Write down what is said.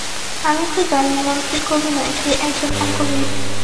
আমি তো জানি মন্ত্রী কবি নয়, সে একজন অঙ্কবিদ।